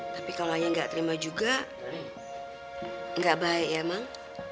tapi kalau aja gak terima juga gak baik ya emang